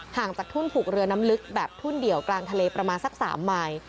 จากทุ่นผูกเรือน้ำลึกแบบทุ่นเดี่ยวกลางทะเลประมาณสัก๓ไมค์